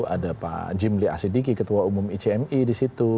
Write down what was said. ada pak jimli asyidiki ketua umum icmi disitu